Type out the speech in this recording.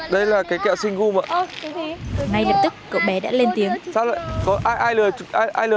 bằng lời lẽ thuyết phục của mình cậu bé đã lên tiếng đôi lại đồ cho người mù